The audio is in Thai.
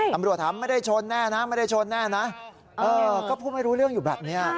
ตำรวจถามไม่ได้ชนแน่นะไม่ได้ชนแน่นะก็พูดไม่รู้เรื่องอยู่แบบนี้